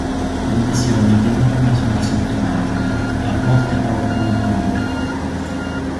Le lesioni di norma sono asintomatiche, a volte provocano dolore.